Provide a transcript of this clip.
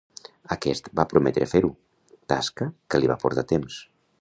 Aquest va prometre fer-ho, tasca que li va portar temps.